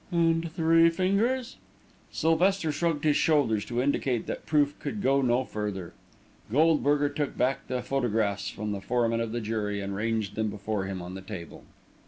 "And three fingers?" Sylvester shrugged his shoulders to indicate that proof could go no further. Goldberger took back the photographs from the foreman of the jury and ranged them before him on the table.